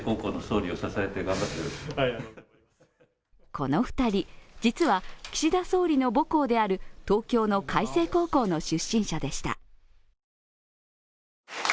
この２人、実は岸田総理の母校である東京の開成高校の出身者でした。